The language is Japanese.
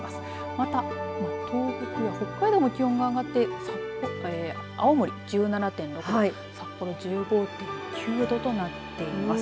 また、東北や北海道も気温が上がって青森１７．６度札幌１５．９度となっています。